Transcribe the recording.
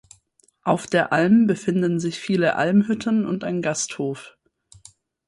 Auf der Alm befinden sich viele Almhütten und ein Gasthof.